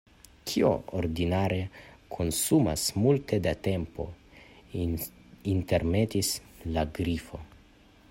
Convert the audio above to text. "Kio ordinare konsumas multe da tempo," intermetis la Grifo.